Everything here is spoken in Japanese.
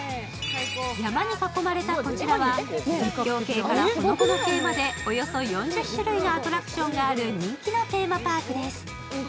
山に囲まれたこちらは、絶叫系からほのぼの系まで、およそ４０種類のアトラクションがある人気のテーマパークです。